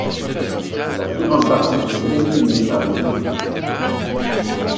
La plus grande partie est éliminée par les urines.